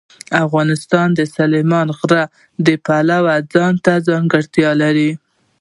افغانستان د سلیمان غر د پلوه ځانته ځانګړتیا لري.